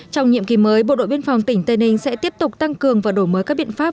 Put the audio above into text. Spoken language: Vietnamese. trong nhiệm kỳ mới bộ đội biên phòng tỉnh tây ninh sẽ tiếp tục tăng cường và đổi mới các biện pháp